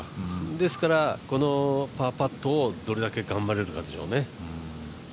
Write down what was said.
ですから、このパーパットをどれだけ頑張れるかでしょうね。